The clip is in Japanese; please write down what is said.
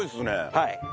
はい。